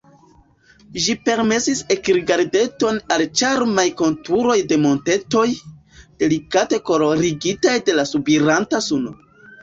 Ĝi permesis ekrigardeton al ĉarmaj konturoj de montetoj, delikate kolorigitaj de la subiranta suno.